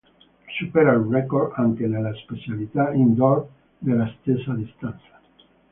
Supera il record anche nella specialità indoor della stessa distanza.